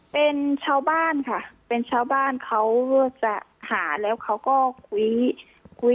เป็นชาวบ้านค่ะเป็นชาวบ้านเขาจะหาแล้วเขาก็คุยคุย